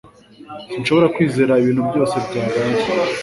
Sinshobora kwizera ibintu byose byabaye